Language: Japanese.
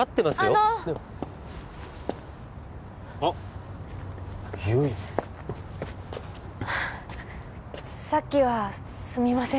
あのあっ悠依さっきはすみません